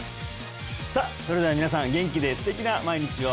さあそれでは皆さん元気で素敵な毎日を！